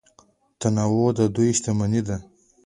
تنوع د دوی شتمني ده.